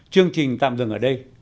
chương trình tạm dừng ở đây